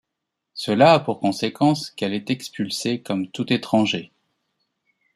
Cela a pour conséquence qu'elle est expulsée, comme tout étranger.